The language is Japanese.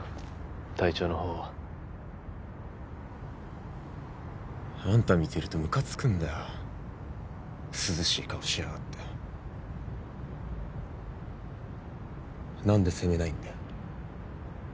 体調のほうはあんた見てるとムカつくんだよ涼しい顔しやがって何で責めないんだよ？